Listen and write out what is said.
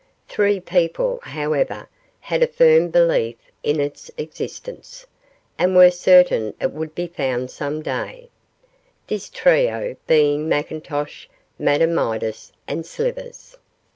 Three people, however, had a firm belief in its existence, and were certain it would be found some day this trio being McIntosh, Madame Midas, and Slivers.